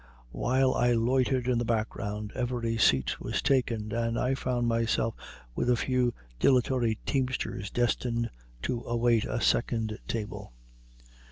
While I loitered in the background every seat was taken, and I found myself with a few dilatory teamsters destined to await a second table.